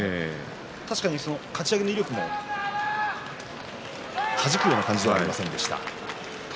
確かにかち上げの威力もはじけるような感じはありませんでした。